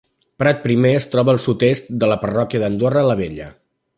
Prat Primer es troba al sud-est de la parròquia d’Andorra la Vella.